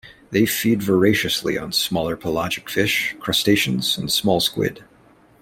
They feed voraciously on smaller pelagic fish, crustaceans and small squid.